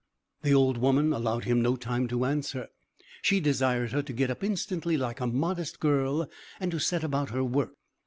The old woman allowed him no time to answer. She desired her to get up instantly, like a modest girl, and to set about her work.